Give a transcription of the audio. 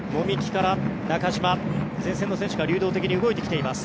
前線の選手が流動的に動いてきています。